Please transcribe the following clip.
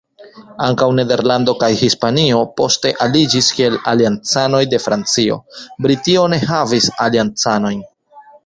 Ankaŭ Nederlando kaj Hispanio poste aliĝis kiel aliancanoj de Francio; Britio ne havis aliancanojn.